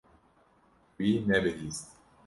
Wî nebihîst.